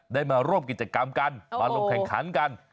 ได้มาร่วมกิจกรรมกันมาลงแข่งขันกัน